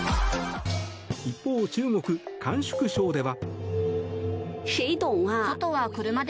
一方、中国・甘粛省では。